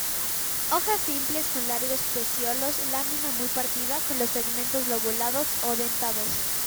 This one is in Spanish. Hojas simples, con largos pecíolos, lámina muy partida, con los segmentos lobulados o dentados.